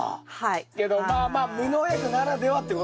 けどまあまあ無農薬ならではってことですよね。